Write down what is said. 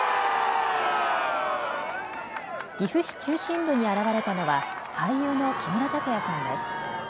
岐阜市中心部に現れたのは俳優の木村拓哉さんです。